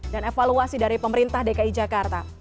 dan evaluasi dari pemerintah dki jakarta